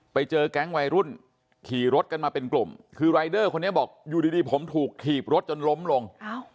ไปเจอแก๊งวัยรุ่นขี่รถกันมาเป็นกลุ่มคือรายเดอร์คนนี้บอกอยู่ดีผมถูกถีบรถจนล้มลง